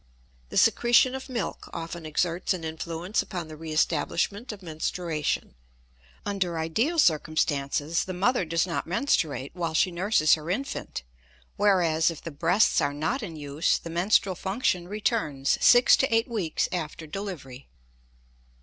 The secretion of milk often exerts an influence upon the reestablishment of menstruation. Under ideal circumstances the mother does not menstruate while she nurses her infant; whereas, if the breasts are not in use, the menstrual function returns six to eight weeks after delivery.